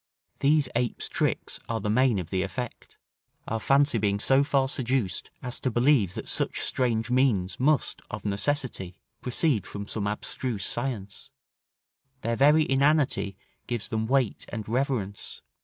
These ape's tricks are the main of the effect, our fancy being so far seduced as to believe that such strange means must, of necessity, proceed from some abstruse science: their very inanity gives them weight and reverence.